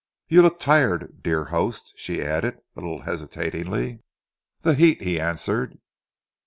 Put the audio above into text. You look tired, dear host," she added, a little hesitatingly. "The heat," he answered.